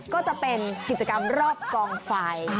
ก็จะเป็นกิจกรรมรอบกองไฟ